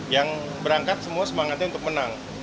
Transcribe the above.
yang berangkat semua semangatnya untuk menang